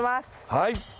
はい。